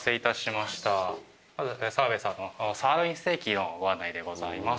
まず澤部さんのサーロインステーキのご案内でございます。